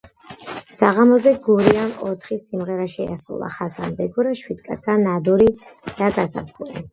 საღამოზე „გურიამ“ ოთხი სიმღერა შეასრულა: „ხასანბეგურა“, „შვიდკაცა“, „ნადური“ და „გაზაფხული“.